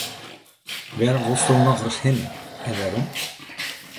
Wêr wolsto nochris hinne en wêrom?